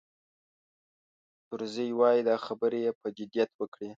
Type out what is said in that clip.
طرزي وایي دا خبرې یې په جدیت وکړې.